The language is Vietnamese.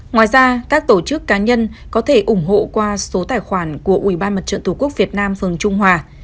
ngoài ra các tổ chức cá nhân có thể ủng hộ qua số tài khoản của ủy ban mặt trận tổ quốc việt nam phường trung hòa